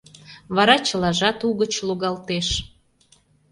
Вара чылажат угыч лугалтеш.